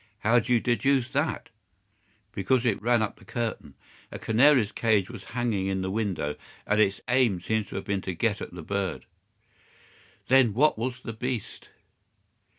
"How do you deduce that?" "Because it ran up the curtain. A canary's cage was hanging in the window, and its aim seems to have been to get at the bird." "Then what was the beast?"